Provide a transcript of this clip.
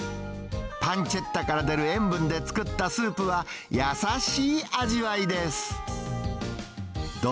パンチェッタから出る塩分で作ったスープは、優しい味わいです。